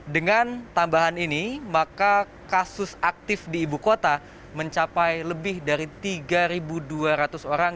dengan tambahan ini maka kasus aktif di ibu kota mencapai lebih dari tiga dua ratus orang